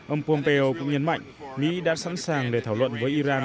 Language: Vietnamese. ông pompeo cũng nhấn mạnh mỹ đã sẵn sàng để thảo luận với iran